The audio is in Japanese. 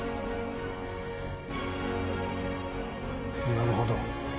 「なるほど」